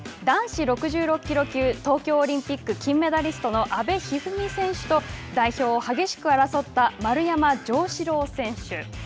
男子６６キロ級東京オリンピック金メダリストの阿部一二三選手と代表を激しく争った丸山城志郎選手。